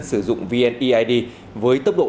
sử dụng vneid với tốc độ